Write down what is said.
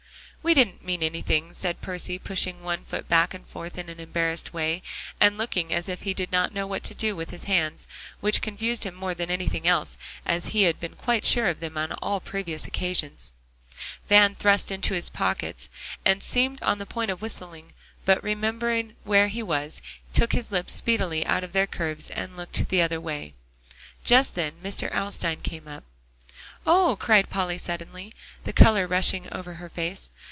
"We didn't mean anything," said Percy, pushing one foot back and forth in an embarrassed way, and looking as if he did not know what to do with his hands, which confused him more than anything else, as he had been quite sure of them on all previous occasions. Van thrust his into his pockets, and seemed on the point of whistling, but remembering where he was, took his lips speedily out of their curves, and looked the other way. Just then Mr. Alstyne came up. "Oh!" cried Polly suddenly, the color rushing over her face.